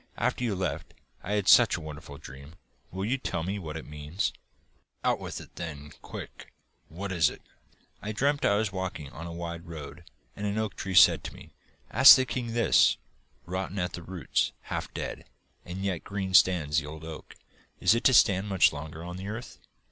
After you left, I had such a wonderful dream. Will you tell me what it means?' 'Out with it then, quick! What was it?' 'I dreamt I was walking on a wide road, and an oak tree said to me: "Ask the king this: Rotten at the roots, half dead, and yet green stands the old oak. Is it to stand much longer on the earth?"